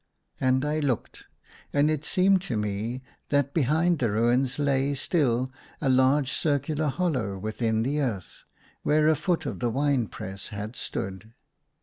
And I looked ; and it seemed to me that behind the ruins lay still a large circular hollow within the earth where a foot of the wine press had stood.